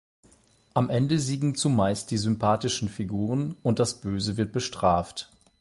Am Ende siegen zumeist die sympathischen Figuren, und das Böse wird bestraft.